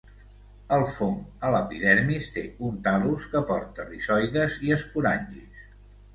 El fong a l'epidermis té un tal·lus que porta rizoides i esporangis.